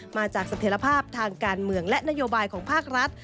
มาจากสันเทลภาพทางการเมืองและนโยบายของภาครัฐ